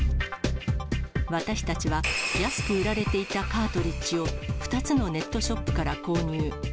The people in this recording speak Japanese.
私たちは、安く売られていたカートリッジを、２つのネットショップから購入。